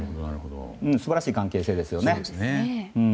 素晴らしい関係性ですね。